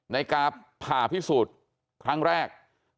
ในการผ่าพิสูจน์ครั้งแรก